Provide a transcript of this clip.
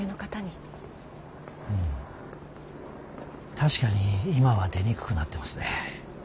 確かに今は出にくくなってますね。